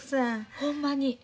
ほんまに。